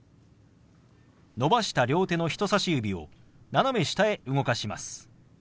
伸ばした両手の人さし指を斜め下へ動かします。